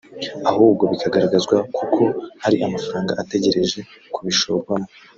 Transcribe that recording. ahubwo bikagaragazwa kuko hari amafaranga ategereje kubishorwamo